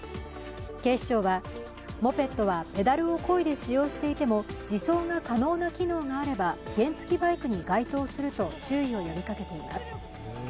警視庁は、モペットはペダルをこいで使用していても自走が可能な機能があれば原付バイクに該当すると注意を呼びかけています。